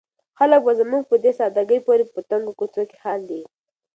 خلک به زموږ په دې ساده ګۍ پورې په تنګو کوڅو کې خاندي.